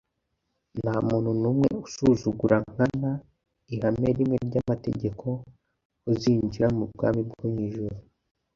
nta muntu n’umwe usuzugura nkana ihame rimwe ry’amategeko uzinjira mu bwami bwo mu ijuru